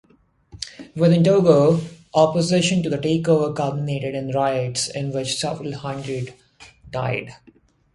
Within Togo, opposition to the takeover culminated in riots in which several hundred died.